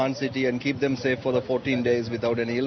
dan menjaga keamanan mereka selama empat belas hari tanpa penyakit